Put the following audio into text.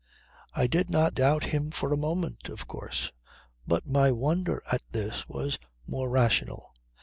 I did not doubt him for a moment, of course, but my wonder at this was more rational.